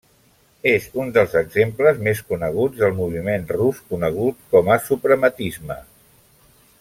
És un dels exemples més coneguts del moviment rus conegut com a suprematisme.